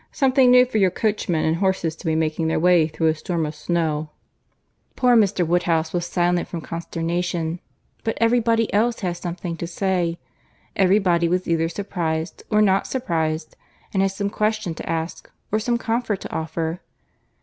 Something new for your coachman and horses to be making their way through a storm of snow." Poor Mr. Woodhouse was silent from consternation; but every body else had something to say; every body was either surprized or not surprized, and had some question to ask, or some comfort to offer.